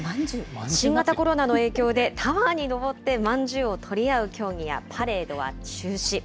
新型コロナの影響で、タワーに登ってまんじゅうを取り合う競技や、パレードは中止。